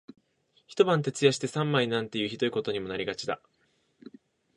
一晩徹夜して三枚なんていう酷いことにもなりがちだ